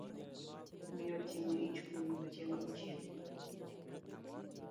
Miyo ting'o ich kuom dweche ochiko